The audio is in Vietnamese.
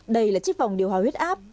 đây là chiếc vòng điều hòa huyết áp